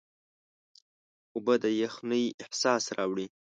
اوبه د یخنۍ احساس راوړي.